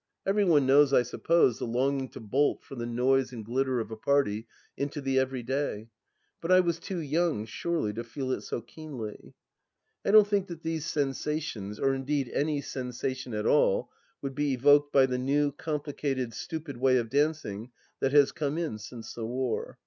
... Every one knows, I suppose, the longing to bolt from the noise and glitter of a party into the everyday; but I was too young, surely, to feel it so keenly ? I don't think that these sensations, or indeed any sensation at all, would be evoked by the new, complicated, stupid way of dancing that has come in since the war.